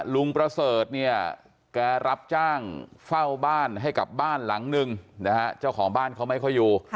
ลุงประเสริฐเนี่ยแกรับจ้างเฝ้าบ้านให้กับบ้านหลังนึงนะฮะเจ้าของบ้านเขาไม่ค่อยอยู่